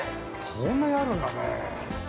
◆こんなにあるんだね。